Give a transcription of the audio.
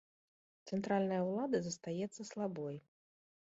Цэнтральная ўлада застаецца слабой.